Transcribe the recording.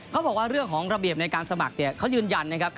เขาบอกว่าเรื่องของระเบียบในการสมัครเนี่ยเขายืนยันนะครับ